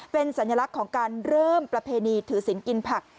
เป็นสัญลักษณ์ของการเริ่มประเพณีถือศิลป์กินผัก